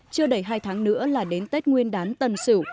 chưa đầy hai tháng nữa là đến tết nguyên đán tân sửu